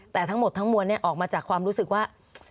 แต่ทั้งหมดทั้งมวลออกมาจากความรู้สึกว่า